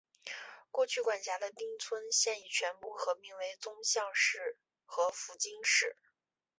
过去管辖的町村现已全部合并为宗像市和福津市。